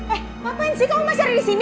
eh ngapain sih kamu masih ada disini